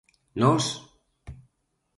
Nós?